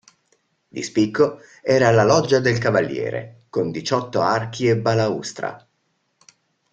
Di spicco era la Loggia del Cavaliere con diciotto archi e balaustra.